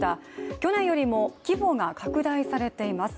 去年よりも規模が拡大されています。